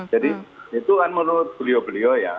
jadi itu kan menurut beliau beliau ya